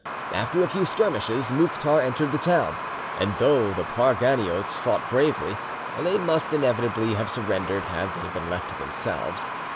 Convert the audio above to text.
After a few skirmishes, Mouktar entered the town, and though the Parganiotes fought bravely, they must inevitably have surrendered had they been left to themselves.